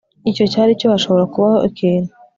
Icyo cyari cyo Hashobora kubaho ikintu